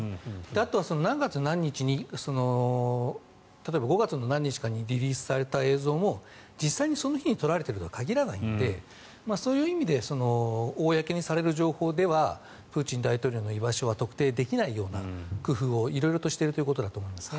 あとは、何月何日に例えば５月の何日かにリリースされた映像も実際にその日に撮られているとは限らないのでそういう意味で公にされる情報ではプーチン大統領の居場所は特定できないような工夫を色々としているということだと思いますね。